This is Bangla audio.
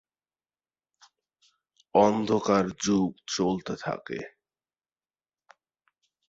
অন্ধকার যুগ চলতে থাকে।